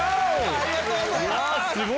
ありがとうございます。